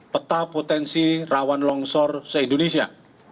peta potensi rawan longsor se indonesia